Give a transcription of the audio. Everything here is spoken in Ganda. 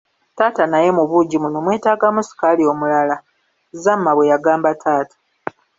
Taata naye mu buugi buno mwetaagamu sukaali omulala, Zama bwe yagamba taata.